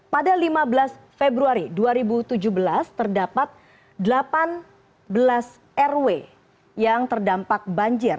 pada lima belas februari dua ribu tujuh belas terdapat delapan belas rw yang terdampak banjir